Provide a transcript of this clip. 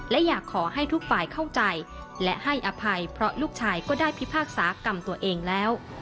และอยากขอให้ทุกฝ่ายเข้าใจและให้อภัยเพราะลูกชายก็ได้พิพากษากรรมตัวเองแล้ว